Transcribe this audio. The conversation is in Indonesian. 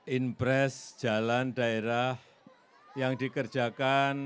impres jalan daerah yang dikerjakan